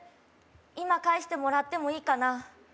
今返してもらってもいいかな？